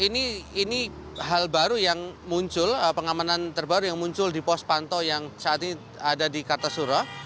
ini hal baru yang muncul pengamanan terbaru yang muncul di pos pantau yang saat ini ada di kartasura